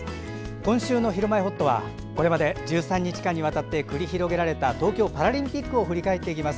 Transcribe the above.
今週の「ひるまえほっと」はこれまで１３日間にわたって繰り広げられた東京パラリンピックを振り返っていきます。